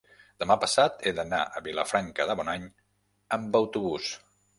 Demà passat he d'anar a Vilafranca de Bonany amb autobús.